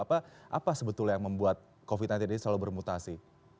apa sebetulnya yang membuat covid sembilan belas ini selalu bermutasi